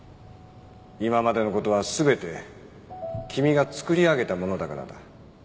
今までの事は全て君が作り上げたものだからだ。